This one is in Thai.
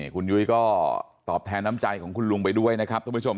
คุณยุ้ยก็ตอบแทนน้ำใจของคุณลุงไปด้วยนะครับท่านผู้ชม